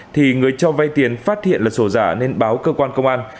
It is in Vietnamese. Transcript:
thì người cho vay tiền phát hiện là sổ giả nên báo cơ quan công an